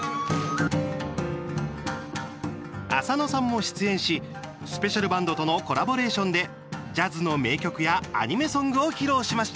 浅野さんも出演しスペシャルバンドとのコラボレーションでジャズの名曲やアニメソングを披露しました。